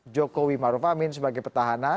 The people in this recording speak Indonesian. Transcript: jokowi maruf amin sebagai petahana